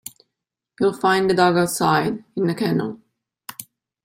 You'll find the dog outside, in the kennel